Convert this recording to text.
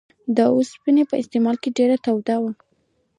د اوسپنې استعمال په کې ډېر دود و